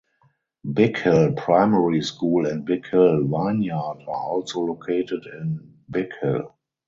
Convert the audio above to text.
Big Hill Primary School and Big Hill Vineyard are also located in Big Hill.